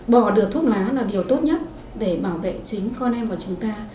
bỏ được thuốc lá là điều tốt nhất để bảo vệ chính con em của chúng ta